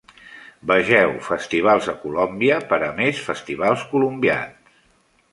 Vegeu Festivals a Colombia per a més festivals colombians.